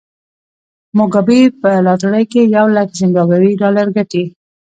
موګابي په لاټرۍ کې یو لک زیمبابويي ډالر ګټي.